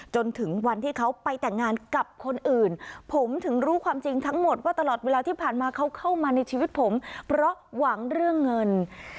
จนถึงวันที่เขาไปแต่งงานกับคนอื่นผมถึงรู้ความจริงทั้งหมดว่าตลอดเวลาที่ผ่านมาเขาเข้ามาในชีวิตผมเพราะหวังเรื่องเงิน